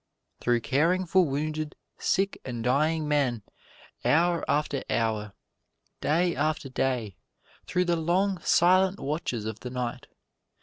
Through caring for wounded, sick and dying men, hour after hour, day after day, through the long, silent watches of the night.